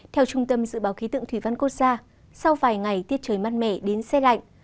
theo trung tâm dự báo khí tượng thủy văn quốc gia sau vài ngày tiết trời mát mẻ đến xe lạnh